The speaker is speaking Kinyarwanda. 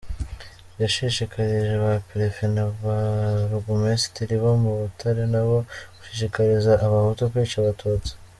Yashishikarije ba Perefe na burugumesitiri bo muri Butare nabo gushishikariza abahutu kwica Abatutsi.